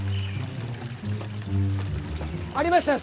ありましたよ！